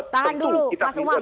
tahan dulu mas umam